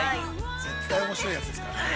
◆絶対おもしろいやつですからね。